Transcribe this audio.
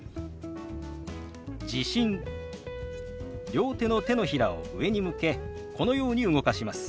両手の手のひらを上に向けこのように動かします。